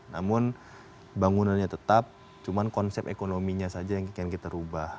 namun bangunannya tetap cuma konsep ekonominya saja yang ingin kita ubah